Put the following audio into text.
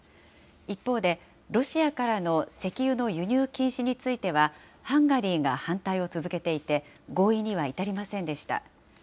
一方で、ロシアからの石油の輸入禁止については、ハンガリーが反対を続けていて、合意には至りませんでした。